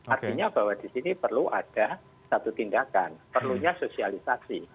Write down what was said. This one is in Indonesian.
artinya bahwa di sini perlu ada satu tindakan perlunya sosialisasi